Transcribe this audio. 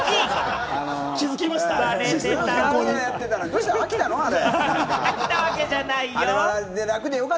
気付きましたか？